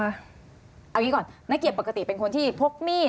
เอาอย่างนี้ก่อนนักเกียรติปกติเป็นคนที่พกมีด